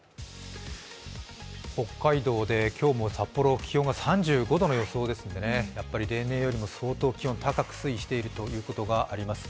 北海道で今日も札幌気温が３６度の予想ですからねやっぱり例年よりも相当気温、高く推移しているということがあります。